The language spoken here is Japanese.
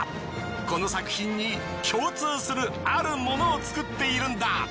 この作品に共通するある物を作っているんだ。